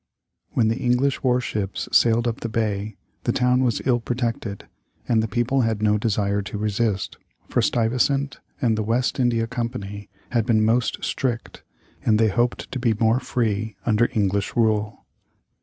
] When the English war ships sailed up the bay, the town was ill protected, and the people had no desire to resist, for Stuyvesant and the West India Company had been most strict, and they hoped to be more free under English rule.